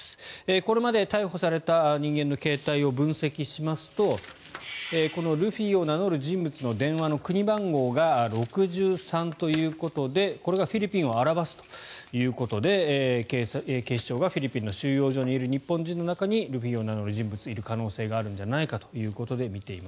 これまで逮捕された人間の携帯を分析しますとこのルフィを名乗る人物の電話の国番号が６３ということでこれがフィリピンを表すということで警視庁がフィリピンにいる収容所にいる日本人の中にルフィを名乗る人物がいる可能性があるんじゃないかとみています。